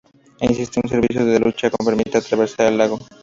Existe un servicio de lancha que permite atravesar el lago.